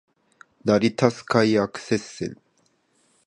成田スカイアクセス線